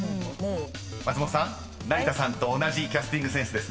［松本さん成田さんと同じキャスティングセンスですね］